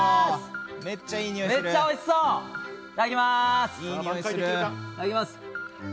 めっちゃおいしそう、いただきます！